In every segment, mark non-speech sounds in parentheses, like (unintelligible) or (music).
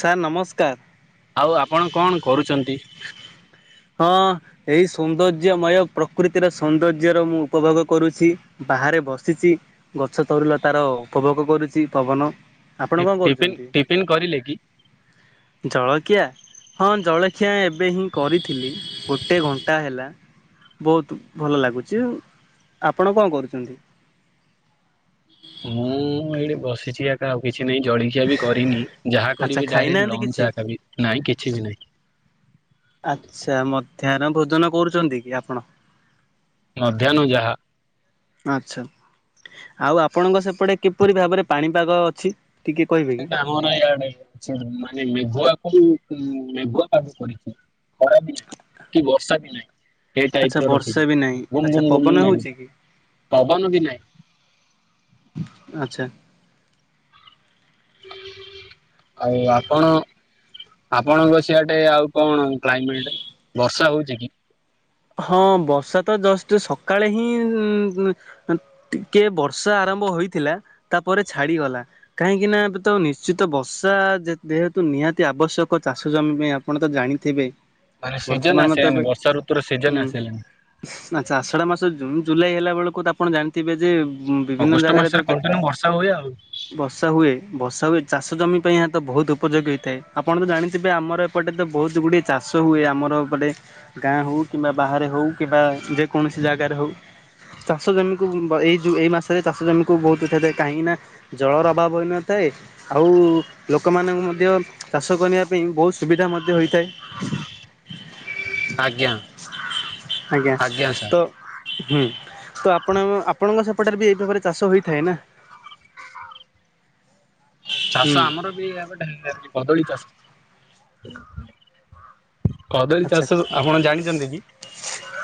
Sir ନମସ୍କାର। (unintelligible) ଆଉ ଆପଣ କଣ କରୁଚନ୍ତି? ହଁ ଏଇ ସୌନ୍ଦର୍ଯ୍ୟମୟ ପ୍ରକୃତିର ସୌନ୍ଦର୍ଯ୍ୟ ର ମୁଁ ଉପଭୋଗ କରୁଛି। ବାହାରେ ବସିଚି। ଗଛ ତରୁଲତାର ଉପଭୋଗ କରୁଚି। ପବନ ଆପଣ କଣ ଟିଫିନ୍ କରୁଚନ୍ତି? ଟିଫିନ୍ କରିଲେ କି? ଜଳଖିଆ ହଁ ଜଳଖିଆ ଏବେ ହିଁ କରିଥିଲି ଗୋଟେ ଘଣ୍ଟା ହେଲା। ବହୁତ ଭଲ ଲାଗୁଚୁ। ଆପଣ କଣ କରୁଚନ୍ତି? ମୁଁ ଏଇଠି ବସିଛି ଏକା ଆଉ କି ଛି ନାହିଁ ଜଳିଖିଆ ବି କରିନି। ଯାହା ଆଚ୍ଛା କରିବି ଡାଇରେକ୍ଟ ଖାଇନାହାନ୍ତି କିଛି? ଲଞ୍ଚ ଆକା ବି, ନାଇଁ କିଛି ବି ନାହିଁ। ଆଚ୍ଛା ମଧ୍ୟାହ୍ନ ଭୋଜନ କରୁଚନ୍ତି କି ଆପଣ? ମଧ୍ୟାହ୍ନ ଯାହା ଆଚ୍ଛା, ଆଉ ଆପଣଙ୍କ ସେପଟେ କିପରି ଭାବରେ ପାଣିପାଗ ଅଛି? ଟିକେ କହିବେ କି? ପାଣିପାଗ ଆମର ଇଆଡେ ଅଛି ମାନେ ମେଘୁଆ କୁ ଉଁ, ମୁ-ମେଘୁଆ ପାାଗ କରିଛି। ଖରା ବି ନାହିଁ କି ବର୍ଷା ବି ନାହିଁ। ସେ ଆଚ୍ଛା ଟାଇପ୍ ର ବର୍ଷା ରଖିଛି। ବି ନାହିଁ ଗୁମ ଆଚ୍ଛା ଗୁମ ପବନ ଗୁମ ନାଇଁ ହଉଛି (unintelligible) କି? ପବନ ବି ନାଇଁ। ଆଚ୍ଛା। ଆଉ ଆପଣ ଆପଣଙ୍କ ସିଆଡେ ଆଉ କଣ କ୍ଲାଇମେଟ୍ ବର୍ଷା ହଉଚି କି? ହଁ ବର୍ଷା ତ ଜଷ୍ଟ ସକାଳେ ହିଁ ଉଁ, ଗୁଁ- ଟିକେ ବର୍ଷା ଆର ରମ୍ଭ ହୋଇଥିଲା। ତାପରେ ଛାଡିଗଲା କାହିଁକି ନା ଏବେ ତ ନିଶ୍ଚିତ ବର୍ଷା ଯେ ଯେହେତୁ ନିହାତି ଆବଶ୍ୟକ ଚାଷ ଜମି ପାଇଁ ଆପଣ ତ ଜାଣିଥିବେ। ମାନେ ସିଜନ୍ ବର୍ତ୍ତମାନ ତ ଆସେ ଏବେ ଆମେ ବର୍ଷା ଋତୁର ସି ହୁଁ, ଆଚ୍ଛା ଆଷଢା ମାସ ଜୁନ୍ ଜୁଲାଇ ହେଲା ବେଳକୁ ତ ଆପଣ ଜାଣିଥିବେ ଯେ ଉଁ, ବିଭିନ୍ନ ଅଗଷ୍ଟ ଜାଗାରେ ତ ମାସରେ କଣ୍ଟିନ୍ୟୁ ବର୍ଷା ହୁଏ ଆଉ। ଚା-ବର୍ଷା ହୁଏ। ବର୍ଷା ହୁଏ ଚାଷ ଜମି ପାଇଁ ଏହା ତ ବହୁତ ଉପଯୋଗୀ ହେଇଥାଏ। ଆପଣ ତ ଜାଣିଥିବେ ଆମର ଏପଟେ ତ ବହୁତ ଗୁଡିଏ ଚାଷ ହୁଏ ଆମ ମର ଅଉ ପଟେ ଗାଁ ହଉ, କିମ୍ବା ବାହାରେ ହଉ, କିବା ଯେକୌଣସି ଜାଗାରେ ହଉ। ଚାଷ ଜମି କୁ ଉଁ, ଏଇ ଜୁ ଏଇ ମାସରେ ଚାଷ ଜମିକୁ ବହୁତ (unintelligible) କାହିଁକି ନା ଜଳର ଅଭାବ ହୋଇନଥାଏ। ଏ ଆଉ ଲୋକମାନଙ୍କୁ ମଧ୍ୟ ଚାଷ କରିବା ପାଇଁ ବହୁତ ସୁବିଧା ମ ହୋଇଥାଏ। ଆଜ୍ଞା ଆଜ୍ଞା ତ ହୁଁ ତ ଆପଣ ଆଉ ଆପଣ ଆପଣଙ୍କ ସେପଟରେ ବି, ଏ ଭାବରେ ଚାଷ ହୋଇଥାଏ ନା। (inaudible) ଚାଷ ହୁଁ ଆମର ବି, ଏ ଗଟେ ହେଇ କଦଳୀ ଚାଷ। କଦଳୀ ଚାଷ, ଆଚ୍ଛା ଆପଣ ଜାଣିଛନ୍ତି କି?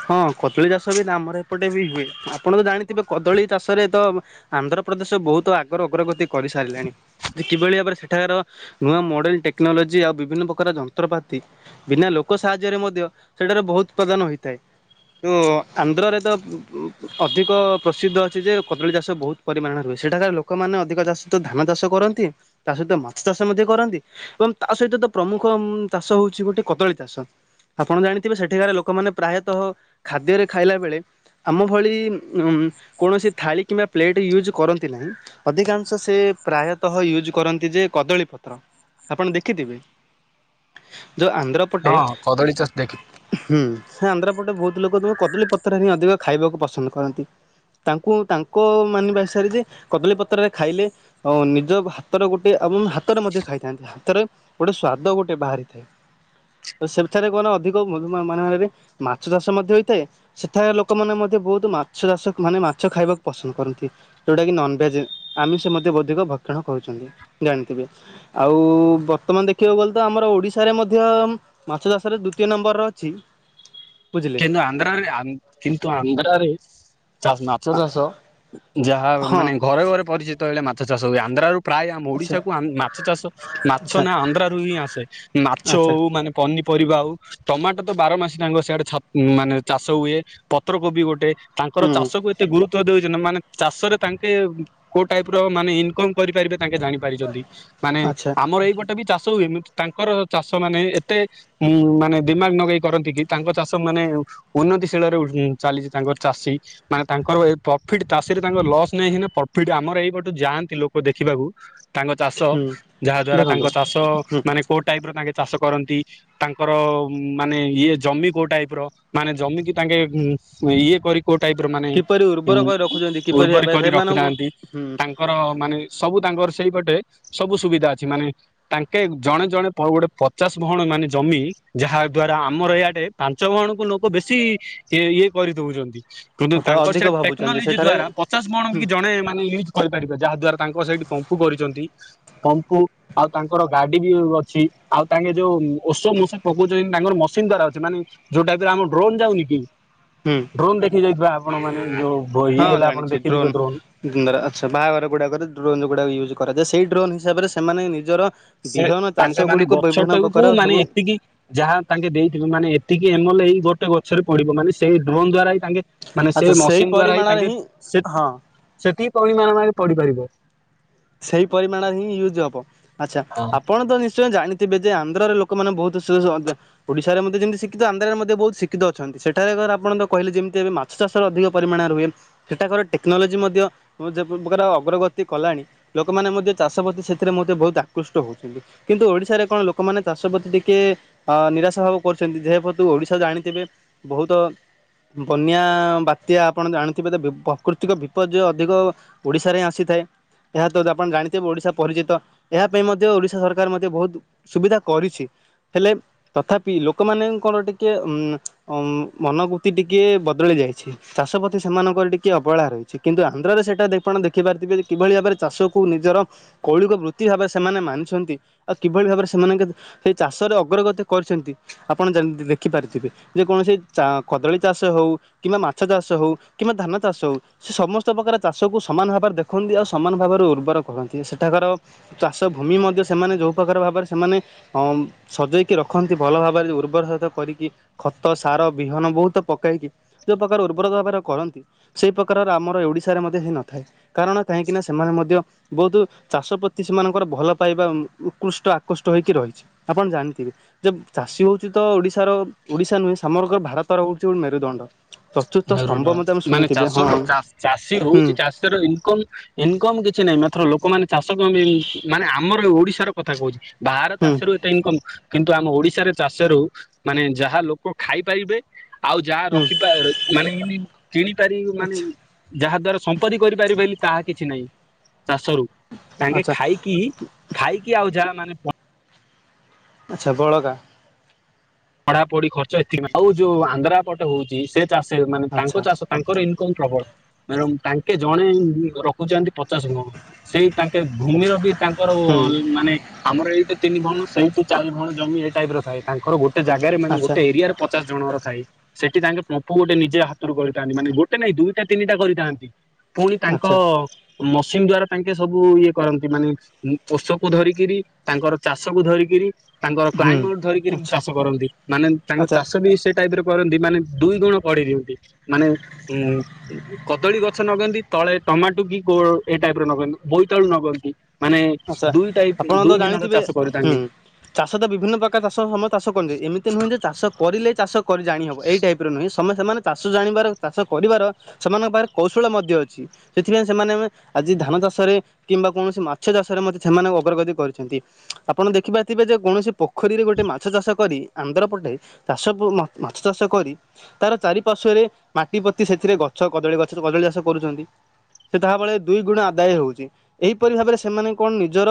ହଁ, କଦଳୀ ଚାଷ ବି ତ ଆମର ଏପଟେ ବି ହୁଏ। ଆପଣ ତ ଜାଣିଥିବେ, କଦଳୀ ଚାଷରେ ତ ଆନ୍ଧ୍ରପ୍ରଦେଶ ବହୁତ ଆଗର ଅଗ୍ରଗତି କରିସାରିଲେଣି। ଯେ କିଭଳି ଭାବରେ, ସେଠାକାର ନୂଆ ମ ଟେକ୍ନୋଲୋଜି, ଆଉ ବିଭିନ୍ନ ପ୍ରକାର ଯନ୍ତ୍ରପାତି। ବିନା ଲୋକ ଲୋକ ସାହାଯ୍ୟରେ ମଧ୍ୟ, ସେଠାରେ ବହୁତ ପ୍ରଦାନ ହୋଇଥାଏ। ତ, ଆନ୍ଧ୍ରରେ ତ ଅଧିକ ପ୍ରସିଦ୍ଧ ଅଛି ଯେ କଦଳୀ ଚାଷ ବହୁତ ପରିମାଣରେ ହୁଏ। ସେଠାକାର ଲୋକମାନେ, ଅଧିକ ଚାଷତ ଧାନ ଚାଷ କରନ୍ତି। ତା ସହିତ ମାଛ ଚାଷ ମଧ୍ୟ କରନ୍ତି। ଏବଂ ତା ସହିତ ତ ପ୍ରମୁଖ ଚାଷ ହଉଛି ଗୋଟେ, କଦଳୀ ଚାଷ। ଆପଣ ଜାଣିଥିବେ ସେଠିକାରେ ଲୋକମାନେ ପ୍ରାୟତଃ ଖାଦ୍ୟରେ ଖାଇଲା ବେଳେ ଆମ ଭଳି କୌଣସି ଥାଳି କିମ୍ବା ପ୍ଲେଟ୍ ୟୁଜ୍ କରନ୍ତି ନାହିଁ। ଅଧିକାଂଶ ସେ ପ୍ରାୟତଃ ୟୁଜ୍ କରନ୍ତି ଯେ କଦଳୀ ପତ୍ର। ଆପଣ ଦେଖିଥିବେ। ଯୋଉ ଆନ୍ଧ୍ର ପଟେ ହଁ କଦଳୀ ଚାଷ ଦେଖ ହୁଁ ସେ ଆନ୍ଧ୍ରାପଟେ ବହୁତ ଲୋକତ କଦଳୀପତ୍ର ରେ ହିଁ ଅଧିକ ଖାଇବାକୁ ପସନ୍ଦ କରନ୍ତି। ତାଙ୍କୁ ତାଙ୍କ ମାନିବା ହିସାବରେ ଯେ କଦଳୀ ପତ୍ରରେ ଖାଇଲେ ଅଂ ନିଜ ହାତର ଗୋଟେ ଆମ୍ ହାତରେ ମଧ୍ୟ ଖାଇଥାନ୍ତି, ହାତରେ ଗୋଟେ ସ୍ଵାଦ ଗୋଟେ ବାହାରିଥାଏ। ତ ସେଠାରେ କ ଅଧିକ ମାନରେ ମାଛ ଚାଷ ମଧ୍ୟ ହେଇଥାଏ। ସେଠାରେ ଲୋକମାନେ ମଧ୍ୟ ବହୁତ ମାଛ ଚାଷ ମାନେ ମାଛ ଖାଇବାକୁ ପସନ୍ଦ କରନ୍ତି। ଯୋଉଟା କି ନନଭେଜ, ଆମେ ସେ ମଧ୍ୟ ଅଧିକ ଭ ଣ କହୁଛନ୍ତି ଜାଣିଥିବେ, ଆଉ ବର୍ତ୍ତମାନ ଦେଖିବାକୁ ଗଲେ ତ ଆମର ଓଡ଼ିଶାରେ ମଧ୍ୟ ମାଛ ଚାଷରେ ଦ୍ଵିତୀୟ ନମ୍ବରରେ ଅଛି ବୁଝିଲେ କିନ୍ତୁ ଅନ୍ଦ୍ରାରେ, କିନ୍ତୁ ଆନ୍ଧ୍ରାରେ ମାଛ ଚାଷ। ଯାହା ହଁ ମାନେ ଘରେ ଘରେ ପରିଚିତ। ହେଲେ ମାଛ ଚାଷ ହୁଏ ଆନ୍ଧ୍ରାରୁ ପ୍ରାୟ ଆମ ଆଚ୍ଛା ଓଡିଶାକୁ ମାଛ ଚାଷ ମାଛ ଆଚ୍ଛା ନା ଆନ୍ଧ୍ରାରୁ ହିଁ ଆସେ। ମାଛ ଆଚ୍ଛା ହଉ ମାନେ ପନି ପରିବା ଆଉ ଟମାଟୋ ତ ବାର ମାସି ତାଙ୍କ ସିଆଡେ ଛାତ ମାନେ ଚାଷ ହୁଏ। ପତ୍ରକୋବି ଗୋଟେ ତାଙ୍କର ହୁଁ ଚାଷ କୁ ଏତେ ଗୁରୁତ୍ୱ ଦୁଇଜଣ ମାନେ ଚାଷରେ ତାଙ୍କେ କୋଉ ଟାଇପ ର ମାନେ ଇନକମ କରିପାରିବେ। ତାଙ୍କେ ଜାଣି ପାରିଛନ୍ତି। ମାନେ ଆଚ୍ଛା ଆମର ଏଇ ପଟେ ବି ବି ଚାଷ ତ ଏମିତି ତାଙ୍କର ଚାଷ ମାନେ ଏତେ ଉ ମାନେ ଦିମାଗ ନଗେଇ କରନ୍ତି କି, ତାଙ୍କ ଚାଷ ମାନେ ଉନ୍ନତିଶୀଳରେ ଚାଲିଛି ତାଙ୍କର ଚାଷୀ। ମାନେ ତାଙ୍କର ପ୍ରଫିଟ ଚାଷୀରେ, ତାଙ୍କ ଲସ୍ ନାଇଁ ସିନା ପ୍ରଫିଟ ଆମର ଏଇପଟୁ ଯାଆନ୍ତି ଲୋକ ଦେଖିବାକୁ। ତାଙ୍କ ଚାଷ, ହୁଁ ଯାହା ଦ୍ଵାରା ଦେଖନ୍ତୁ ତାଙ୍କ ଚାଷ ମାନେ କୋଉ ଟାଇପ ର ତାଙ୍କେ ଚାଷ କରନ୍ତି। ତାଙ୍କର ମାନେ, ଇଏ ଜମି କୋଉଟାଇ ର ମାନେ ଜମିକି ତାଙ୍କେ, ଇଏ କରି କୋଉ ଟାଇପ ର ମାନେ, କିପରି ଉର୍ବର କରି ରଖୁଛନ୍ତି କିପରି ଉର୍ବର ଭାବେ କରି ସେମାନଙ୍କୁ ରଖିନାହାନ୍ତି। ହୁଁ ତାଙ୍କର ମାନେ ସବୁ ତାଙ୍କର, ସେଇପଟେ ସବୁ ସୁବିଧା ଅଛି। ମାନେ ତାଙ୍କେ ଜଣେ ଜଣେ ଗୋଟେ ପଚାଶ ଭଅଣ ମାନେ ଜମି ଯାହା ଦ୍ଵାରା ଆମର ଇଆଡ଼େ ପାଞ୍ଚ ଭଣକୁ ଲୋକ ବେଶୀ ଇଏ କରିଦଉଛନ୍ତି। କିନ୍ତୁ ଅର୍ଥାତ୍ ତାଙ୍କର ଅଧିକ ସେଇ ଭାବୁଛନ୍ତି ଟେକ୍ନୋଲୋଜି ସେଠାରେ ଦ୍ଵାରା, ପଚାଶ ବଣ କି ଜଣେ ମାନେୟୁଜ କରିପାରିବେ। ଯାହା ଦ୍ଵାରାଙ୍କର ସେଇଠି ପମ୍ପୁ କରିଛନ୍ତି। ପମ୍ପୁ ଆଉ ତାଙ୍କର ଗାଡି ବି ଅଛି। ଆଉ ତାଙ୍କେ ଯୋଉ ଓଷ ମଷ ପକଉଛନ୍ତି। ତାଙ୍କର ମ ଦାରା ଅଛି। ମାନେ ଯୋଉ ଆ ଡ୍ରୋନ୍ ଯାଉନି କି। ହୁଁ ଡ୍ରୋନ୍ ଦେଖି ଯାଇଥିବା ଆପଣ ମାନେ। ଯୋଉ ଇଏ ହଁ ହେଲା ଆପଣ ଦେଖିଥିବେ ଡ୍ରୋନ୍। ର ଗୁଡା ଡ୍ରୋନ ୟୁଜ୍ କରାଯାଏ। ସେଇ ଡ୍ରୋନ ହିସାବରେ, ସେମାନେ ନିଜର ସେ, ବିହନ ଚାଷ ତାଙ୍କ ମାନେ ଗୁଡ଼ିକୁ ଗଛ ବିଭିନ୍ନ ଟାକୁ ପ୍ରକାର ମାନେ ସବୁ ଏତିକି ଯାହା ତାଙ୍କେ ଦେଇଥିବେ ମାନେ ଏତିକି ଏମଲେ, ଏଇ ଗୋ ଗଛରେ ପଡିବ। ମାନେ ସେଇଡ୍ରୋନ୍ ଦ୍ଵା ତାଙ୍କେ ମାନେ ସେ ଆଚ୍ଛା ସେଇ ମସିନ୍ ଦ୍ଵାରା ହିଁ ପରିମାଣରେ ତାଙ୍କେ ସେ ହଁ ସେଠପଣ ମାନ ପଡିିପାରିବେ। ସେଇ ପରିମାଣରେ ହିଁ ୟୁଜ୍ ହବ, ଆଚ୍ଛା ଆପଣ ତ ନିଶ୍ଚୟ ଜାଣି ତିବେ ଯେ ଆନ୍ଧ୍ରରେ ଲୋକମାନେ ବୋହୁତ ଓଡିଶାରେ ମଧ୍ୟ ଯେମିତି ଶିକ୍ଷିତ ଆନ୍ଧ୍ରରେ ମଧ୍ୟ ବହୁତ ଶିକ୍ଷିତ ଅଛନ୍ତି ସେଠାରେ ଆପଣ ତ କହିଲେ ଯେମିତି ମାଛ ଚାଷର ଅଧିକ ପରିମାଣରେ ହୁଏ ସେଟାକର ଟେକ୍ନୋଲୋଜି ମଧ୍ୟ ଯେ ପକାର୍ ଅଗ୍ରଗତି କଲାଣି। ଲୋକମାନେ ମଧ୍ୟ ଚାଷ ପ୍ରତି ସେଥିରେ ମଧ୍ୟ ବହୁତ୍ ଆକୃଷ୍ଟ ହୋଉଛନ୍ତି କିନ୍ତୁ ଓଡ଼ିଶାରେ କଣ ଲୋକମାନେ ଚାଷ ପ୍ରତି ଟିକେ ଅ ନିରାଶ ହ‍‌‍‍‍ବା କରୁଛନ୍ତି ଯେହେ ପଦୁ ଓଡିଶା ଜାଣିଥିବେ ବୋହୁତ ବନ୍ୟା ବାତ୍ୟା ଆପଣ ଜାଣିଥିବେ ତ ପକୃତିକ ବିପର୍ଯ୍ୟୟ ଅଧିକ ଓଡିଶାରେ ହିଁ ଆସି ଥାଏ। ଏହା ତ ଆପଣ ଜାଣିଥିବେ ଓଡିଶା ପରିଚିତ ଏହା ପାଇଁ ମଧ୍ୟ ଓଡିଶା ସରକାର ମଧ୍ୟ ବହୁତ ସୁବିଧା କରିଛି। ହେଲେ ତଥାପି ଲୋକମାନେ କଣ ଟିକେ ଉ ମନୋବୃତି ଟିକେ ବଦଳେଇ ଯାଇଛି ଚାଷପ୍ରତି ସେମାନଙ୍କର ଟିକେ ଅବହେଳା ରହିଛି କିନ୍ତୁ ଆନ୍ଧ୍ରରେ ସେଇଟା ଦେପଣ ଦେଖିପାରଥିବେ କିଭଳି ଭାବରେ ଚାଷକୁ ନିଜର କୌଳିକ ବୃତ୍ତି ଭାବେ ସେମାନେ ମାନିଛନ୍ତି ଆଉ କିଭଳି ଭାବରେ ସେମାନେଙ୍କ ସେଇ ଚା ଷ ଅଗ୍ରଗତି କରିଛନ୍ତି ଆପଣ ଯେମିତି ଦେଖିପାରିଥିବେ ଯେ କୌଣସି ଚା କଦଳୀ ଚାଷ ହୋଉ କିମ୍ବା ମାଛ ଚାଷ ହଉ କିମ୍ବା ଧାନ ଚାଷ ହଉ ସେ ସମସ୍ତ ପ୍ରକାର ଚାଷକୁ ସମାନ ଭାବରେ ଦେଖନ୍ତି ଆଉ ସମାନ ଭାବରେ ଉର୍ବର କରନ୍ତି ସେଠାକାର ଚାଷ ଭୂମି ମଧ୍ୟ ସେମାନେ ଯୋଉ ପ୍ରକାର ଭାବରେ ସେମାନେ ଅଁ ସଜେଇକି ରଖନ୍ତି ଭଲ ଭାବରେ ଉର୍ବର ସାଧ୍ୟ କରିକି ଖତ ସାର ବିହନ ବୋହୁତ ପକାଇକି ଯୋଉ ପକାର ଉର୍ବରତା ଭାବରେ କରନ୍ତି ସେଇ ପ୍ରକାରର ଆମର ଓଡିଶାରେ ମଧ୍ୟ ହେଇନଥାଏ କାରଣ କାହିଁକିନା ସେମାନେ ମଧ୍ୟ ବୋହୁତୁ ଚାଷ ପ୍ରତି ସେମାନଙ୍କର ଭଲ ପାଇବା ଉମ୍ ଉକୃଷ୍ଟ ଆକୃଷ୍ଟ ହେଇକି ରହିଛି। ଆପଣ ଜାଣିଥିବେ ଯେ ଚାଷୀ ହୋଉଚି ତ ଓଡିଶାର ଓଡିଶା ନୁହେଁ ସାମଗ୍ର ଭାରତର ହୋଉଚି ଗୋଟେ ମେରୁଦଣ୍ଡ। ଚତୁର୍ଥ ସ୍ତମ୍ଭ ମେରୁନ ମଧ୍ୟ ଆମେ ମାନେ ଶୁଣିଥିବେ ଚାଷ ହଁ ରୁ ଚାଷୀ ହୁଁ ରୋହୁଚି ଚାଷୀ ର ଇନକମ୍ ଇନକମ୍ କିଛି ନାହିଁ ମାତ୍ର ଲୋକମାନେ ଚାଷ କ ପେଇଁ ମାନେ ଆମର ଓଡିଶାର କଥା କୋହୁଚି। ବାହାର ହୁଁ ଚାଷରୁ ଏତେ ଇନକମ୍ କିନ୍ତୁ ଆମ ଓଡିଶାରେ ଚାଷରୁ ମାନେ ଯାହା ଲୋକ ଖାଇପାରିବେ ଆଉ ଯାହା ହୁଁ ରଖିପା ମାନିମୁନି କିଣିପାରିବୁ ମାନେ ଆଚ୍ଛା। ଯାହା ଦ୍ଵାରା ସମ୍ପତ୍ତି କରିପାରିବେନି ତାହା କିଛି ନାଇଁ ଚାଷରୁ ତାଙ୍କେ ଆଚ୍ଛା ଖାଇକି ଖାଇକି ଆଉ ଯାହା ମାନେ ପ ଆଚ୍ଛା ବଳକା ପଢା ପଢି ଖର୍ଚ୍ଚ ଏତିକି ଆଉ ଯୋଉ ଆନ୍ଧ୍ରାପଟ ହୋଉଛି ସେ ଚାଷେ ମାନେ ତାଙ୍କ ଆଚ୍ଛା ଚାଷ ତାଙ୍କର ଇଁ କମ୍ ପ୍ରବଳ ମେରଂ ତାଙ୍କେ ଜଣେ ରଖୁଚନ୍ତି ପଚାଶ୍ ମ ସେଇ ତାଙ୍କେ ଭୂମିର ବି ତାଙ୍କର ଓ ହୁଁ ଅଲ୍ ମାନେ ଆମର ଏଇଠୁ ତିନି ଭୋଉଣ୍ ସେଇଠୁ ଚାର୍ ଭୋଉଣ୍ ଜମି ଏଇ ଟାଇପ୍ ର ଥାଏ ତାଙ୍କର ଗୋ ଟେ ଜାଗାରେ ମାନେ ଆଚ୍ଛା ଗୋଟେ ଏରିଆରେ ପଚାଶ୍ ଜଣଙ୍କର ସାଇ। ସେଠି ତାଙ୍କେ ପ୍ରପୁ ଗୋଟେ ନିଜ ହାତରୁ କରିଥାନ୍ତି ମାନେ ଗୋଟେ ନାଇଁ ଦୁଇଟା ତିନିଟା କରିଥାନ୍ତି। ପୁଣି ତାଙ୍କ ଆଚ୍ଛା ମସିନ୍ ଦ୍ଵାରା ତାଙ୍କେ ସବୁ ଇଏ କରନ୍ତି ମାନେ ଔଷକୁ ଧରିକିରି ତାଙ୍କ ଚାଷକୁ ଧରିକିରି ତାଙ୍କର ହୁଁ କ୍ଲାଇମର ଧରିକିରି ଆଚ୍ଛା ଚାଷ କରନ୍ତି ମାନେ ତାଙ୍କ ଆଚ୍ଛା ଚାଷ ବି ସେ ଟାଇପ୍ ର କରନ୍ତି ମାନେ ଦୁଇ ଗୁଣ ବଢେ ଦିଅନ୍ତି ମାନେ କଦଳୀ ଗଛ ନଗୁଅନ୍ତି। ତଳେ ଟମାଟୁ କି କୋ ଏଇ ଟାଇପର ନଗାନ୍ତି ବୋଇତାଳୁ ନଗୁଅନ୍ତି। ଆଛା ଆପଣ ତ ଜାଣିଥିବେ ଚାଷ ହୁଁ କରିଥାନ୍ତି। ଚାଷ ତ ବିଭିନ୍ନ ପ୍ରକାର ଚାଷ ସମ ଚାଷ କନ୍ତେ ଏମିତି ନୁହେଁ ଯେ ଚାଷ କରିଲେ ଚାଷ କରି ଜାଣି ହବ ଏଇ ଟାଇପ ର ନୁହେଁ। ସମ ସେମାନେ ଚାଷ ଜାଣିବାର ଚାଷ କରିବାର ସେମାନଙ୍କ ପାଖରେ କୌଶଳ ମଧ୍ୟ ଅଛି ସେଥିପାଇ ସେମାନେ ଆମେ ଆଜି ଧାନ ଚାଷରେ କିମ୍ବା କୌଣସି ମା ଛ ଚାଷରେ ମଧ୍ୟ ସେମାନେ ଅଗ୍ରଗତି କରିଛନ୍ତି ଆପଣ ଦେଖିରୁଥିବେ ଯେ କୌଣସି ପୋଖରୀରେ ଗୋଟେ ମାଛ ଚାଷ କରି ଆନ୍ଧ୍ର ପଟେ ଚାଷକୁ ମାଛ ଚାଷ କରି ତାର ଚାରିପାର୍ଶ୍ଵରେ ମାଟି ପୋତି ସେଥିରେ ଗଛ କଦଳୀ ଗଛ କଦଳୀ ଚାଷ କରଚନ୍ତି ସେ ତାହା ବଳରେ ଦୁଇ ଗୁଣ ଆଦାୟ ହଉଛି ଏହିପରି ଭାବେରେ ସେମାନେ କଣ ନିଜର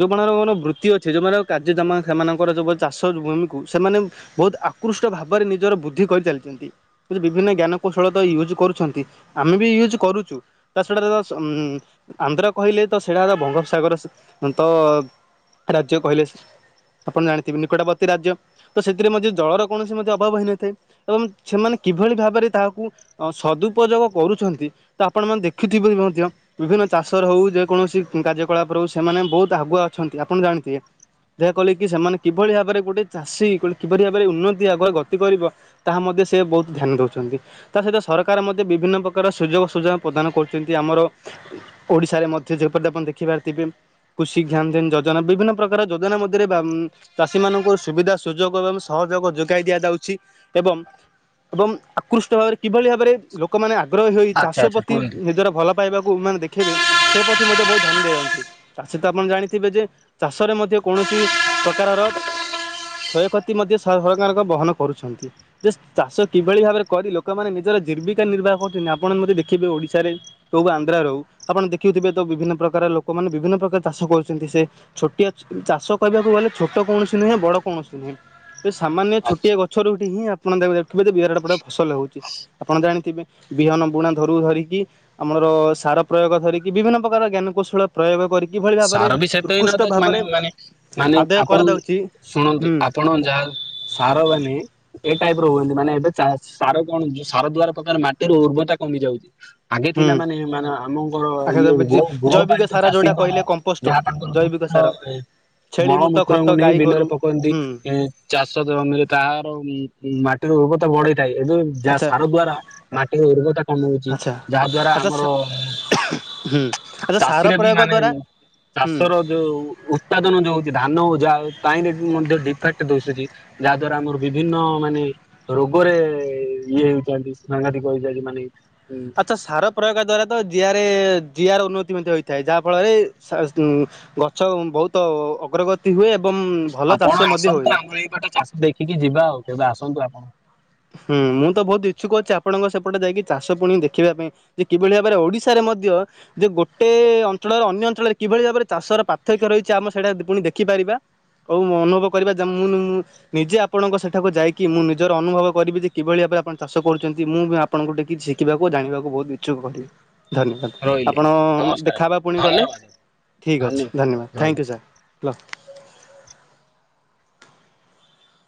ଯୋଉମାନଙ୍କର ବୃତ୍ତି ଅଛି ଯୋଉମାନଙ୍କର କାର୍ଯ୍ୟ ଜାମା ସେମାନଙ୍କର ଯୋଉ ଚାଷ ଭୂମି ସେମାନେ ବହୁତ୍ ଆୃକଷ୍ଟ ଭାବରେ ନିଜର ବୁଦ୍ଧି କରିଚାଲିଛନ୍ତି ବିଭିନ୍ନ ଜ୍ଞାନ କୌଶଳତଃ ୟୁଯ୍ କରୁଛନ୍ତି ଆମେ ବି ୟୁଯ୍ କରୁଛୁ ତା ଛଡା ତ ଆନ୍ଧ୍ରାକ କହିଲେ ତୁ ସେଢା ବଙ୍ଗୋପସାଗର ତ ରାଜ୍ୟ କହିଲେ ଆପଣ ଜାଣିଥିବେ ନିକଟବର୍ତୀ ରାଜ୍ୟ ତ ସେଥିରେ ମଧ୍ୟ ଜଳର କୌଣସି ମଧ୍ୟ ଅଭାବ ହେଇନଥାଏ ଅଂ ସେମାନେ କିଭଳି ଭାବରେ ତାହାକୁ ସଦୁପଯୋଗ କରୁଛନ୍ତି ତ ଆପଣମାନେତ ଦେଖୁଥିବେ ମଧ୍ୟ ବିଭିନ୍ନ ଚାଷର ହଉ ଯେ କୌଣସି କାର୍ଯ୍ୟକଳାପ ରେ ହଉ ସେମାନେ ବହୁତ୍ ଆଗୁଆ ଅଛନ୍ତି ଆପଣ ଜାଣିଥିବେ। ଯାହା କହିଲ କି ସେମାନେ କିଭଳି ଭାବରେ ଗୋଟେ ଚାଷୀ ଗ କିଭଳି ଭାବରେ ଉନ୍ନତି ଆ ଗତି କରିବ ତାହା ମଧ୍ୟ ସେ ବହୁତ ଧ୍ୟାନ ଦେଉଛନ୍ତି ତାସହିତ ସରକାର ମଧ୍ୟ ବିଭିନ୍ନ ପ୍ରକାର ସୁଯୋଗ ସୁଯୋଗ ପ୍ରଦାନ କରୁଛନ୍ତି ଆମର ଓଡିଶାରେ ମଧ୍ୟ ଯେ ପ ଦେଖିପାରଥିବେ କୃଷି ଜ୍ଞାନଧାନ ଯ ସୁବିଧା ସୁଯୋଗ ଏବଂ ସହଯୋଗ ଯୋଗାଇ ଦିଆଯାଉଛି ଏବଂ ଏବଂ ଆକୃଷ୍ଟ ଭାବରେ କିଭଳି ଭାବରେ ଲୋକମାନେ ଆଗ୍ରହ ହୋଇ ଆଚ୍ଛା ଚାଷ ଆଚ୍ଛା ପ୍ରତି କୁହନ୍ତୁ। ନିଜର ଭଲ ପାଇବାକୁ ମାନେ ଦେଖେଇବେ ସେ ମଧ୍ୟ ବହୁତ ଧ୍ୟାନ ଦଅନ୍ତି ଚାଷୀ ତ ଆପଣ ଜାଣିଥିବେ ଯେ ଚାଷରେ ମଧ୍ୟ କୌଣସି ପ୍ରକାରର କ୍ଷୟକ୍ଷତି ମଧ୍ୟ ସରକାରଙ୍କ ବହନ କରୁଛନ୍ତି ଯେ ଚାଷ କିଭଳି ଭାବରେ କରି ଲୋକମାନେ ନିଜ ଜୀବିକା ନିର୍ବାହ କରୁଛନ୍ତି ଆପଣ ମଧ୍ୟ ଦେଖିଥିବେ ଓଡିଶାରେ ହଉ ବା ଆନ୍ଧ୍ରରେ ହଉ ଆପଣ ଦେଖୁଥିବେ। ବିଭିନ୍ନ ପ୍ରକାର ଲୋକମାନେ ବିଭିନ୍ନ ପ୍ରକାର ଚାଷ କରୁଛନ୍ତି ସେ ଛୋଟିଆ ଚାଷ କହିବାକୁ ଗଲେ ଛୋଟ କୌଣସି ନୁହେଁ ବଡ଼ କୌଣସି ନୁହେଁ। ଏ ସାମାନ୍ୟ ଆଚ୍ଛା। ଛୋଟିଆ ଗଛରୁଟି ହିଁ ଆପଣ ଦେଖଥିବେ ଯେ ବିରାଟ ବଡ ଫସଲ ହଉଛି ଆପଣ ଜାଣିଥିବେ। ବିହନ ବୁଣା ଧରୁ ଧରିକି ଆମର ସାର ପ୍ରୟୋଗ ଧରିକି ବିଭିନ୍ନ ପ୍ରକାର ଜ୍ଞାନକୌଶଳ ପ୍ରୟୋଗ କରି କିଭଳି ଭାବରେ ସାର ବି ସେତେ ହ ଉତ୍କୃଷ୍ଟ ନ ତ ଭାବରେ ମାନେ ମାନେ ମାନେ ଆଦାୟ ଆପଣ କରାଯାଉଛି ଶୁଣନ୍ତୁ ହୁଁ। ଆପଣ ଯାହା ସାର ମାନେ ଏଇ ଟାଇପ ର ହୁଅନ୍ତି ମାନେ ଏ ସାର କଣ ସାର ଦ୍ଵାର ପ୍ରକାର ମାଟିର ଉର୍ବତା କମିଯାଉଛି। ଆଗେ ହୁଁ ଥିଲା ମାନେ ମାନେ ଆମଙ୍କର ଆଚ୍ଛା ଇଏ ଜୈବିକ ଗୃହପାଳିତ ସାର ଯୋଉଟା ଚାଷୀଙ୍କର କହିଲେ କମ୍ପୋଷ୍ଟ ଯାହା ତାଙ୍କର ଜୈବିକ ମୁତ୍ର ସାର। ଛେଳି ମୁତ ମଳମୂତ୍ରଙ୍କୁ ଖତ ନେଇ ଗାଈ ବିଲରେ ଗୋରୁ ପକନ୍ତି ହୁଁ ଏଇ ଚାଷ ତାର ମାଟିର ଥାଏ ଏବେ ଯାହା ଆଚ୍ଛା ସାର ଦ୍ଵାରା ମାଟିର ଉର୍ବରତା କମିଯାଉଛି ଆଚ୍ଛା ଯାହା ଦ୍ଵାରା ଆଚ୍ଛା ଆମର ସା ହୁଁ ଆଚ୍ଛା ସାର ଚାଷୀର ବି ପ୍ରୟୋଗ ମାନେ ଦ୍ଵାରା ହୁଁ ଚାଷ ର ଯୋଉ ଉତ୍ପାଦନ ଯୋଉ ହଉଛି ଧା ଧାନହଉ ଯାହେଉ ତା ମଧ୍ୟ ଡିଫେକ୍ଟ ଦିଶୁଛି ଯାହା ଦ୍ଵାରା ଆମର ବିଭିନ୍ନ ମାନେ ରୋଗ ରେ ଇଏ ହେଉଛନ୍ତି ସାଘାତିକ ହେଇ ଯାଉଛି ମାନେ ହୁଁ ଆଚ୍ଛା ସାର ପ୍ରୟୋଗ ଦ୍ଵାରା ତ ଯିଆରେ ଜିଆର ଉନ୍ନତି ମଧ୍ୟ ହୋଇଥାଏ ଯାହାଫଳରେ ଗଛ ବହୁତ ଅଗ୍ରଗତି ହୁଏ ଏବଂ ଭଲ ଚାଷ ଆପଣ ମଧ୍ୟ ଆସନ୍ତୁ ହୋଇଥାଏ। ଆମର ଏଇପଟେ ଚାଷ ଦେଖିକି ଯିବା ଆଉ କେବେ ଆସନ୍ତୁ ଆପଣ। ହୁଁ ମୁଁ ତ ବହୁତ ଇଛୁକ ଅଛି ଆପଣଙ୍କ ସେପଟେ ଯାଇକି ଚାଷ ପୁଣି ଦେଖିବା ପାଇଁ ଯେ କିଭଳି ଭାବରେ ଓଡିଶାରେ ମଧ୍ୟ ଯେ ଗୋଟେ ଅଞ୍ଚଳର ଅନ୍ୟ ଅଞ୍ଚଳରେ କିଭଳି ଭାବରେ ଚାଷର ପାର୍ଥକ୍ୟ ରହିଛି ଆମ ସେଇଟା ପୁଣି ଦେଖିପାରିବା। ହଉ ଅନୁଭବ କରିବା ମୁଁ ନିଜେ ଆପଣଙ୍କ ସେଠାକୁ ଯାଇକି ମୁଁ ନିଜର ଅନୁଭବ କରିବି ଯେ କିଭଳି ଭାବରେ ଆପଣ ଚାଷ କରୁଛନ୍ତି ମୁଁ ବି ଆପଣଙ୍କୁ ଟିକେ କିଛି ଶିଖିବାକୁ ଜା ଣିବାକୁ ବହୁତ ଇଛୁକ କରିବି। ଧନ୍ୟବାଦ ରହିଲି ଆପଣ ଆଜ୍ଞା ନମସ୍କାର ଆଜ୍ଞା ଦେଖାହେବା ପୁଣି ଗଲେ ଧନ୍ୟବାଦ ଠିକ୍ ଅଛି ଧନ୍ୟବାଦ ଥ୍ୟାଙ୍କୟୁ ସାର୍। ଲ